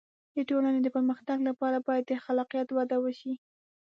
د ټولنې د پرمختګ لپاره باید د خلاقیت وده وشي.